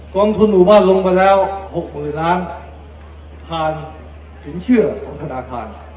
กองทุนหมู่บ้านลงไปแล้ว๖๐๐๐ล้านผ่านสินเชื่อของธนาคาร